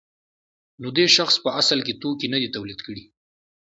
نو دې شخص په اصل کې توکي نه دي تولید کړي